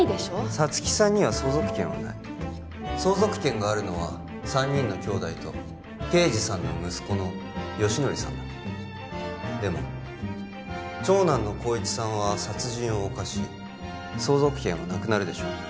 皐月さんには相続権はない相続権があるのは三人の兄弟と敬二さんの息子の良典さんだでも長男の功一さんは殺人を犯し相続権はなくなるでしょう